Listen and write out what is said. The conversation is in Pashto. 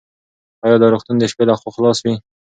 ایا دا روغتون د شپې لخوا خلاص وي؟